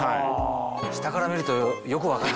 下から見るとよく分かる。